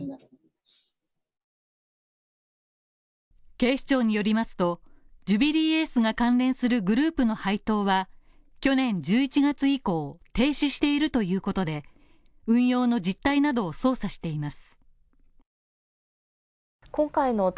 警視庁によりますと、ジュビリーエースが関連するグループの配当は去年１１月以降、停止しているということで、運用の実態などを捜査しています。